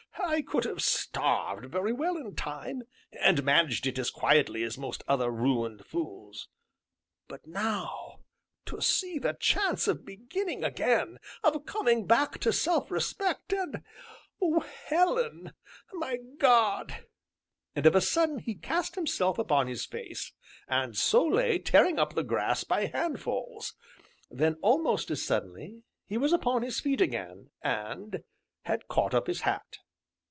I could have starved very well in time, and managed it as quietly as most other ruined fools. But now to see the chance of beginning again, of coming back to self respect and Helen, my God!" And, of a sudden, he cast himself upon his face, and so lay, tearing up the grass by handfuls. Then, almost as suddenly, he was upon his feet again, and had caught up his hat.